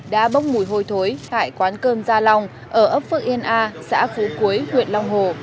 đã bốc mùi hôi thối tại quán cơm gia long ở ấp phước yên a xã phú quế huyện long hồ